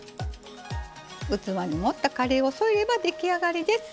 器に盛ったカレーを添えれば出来上がりです。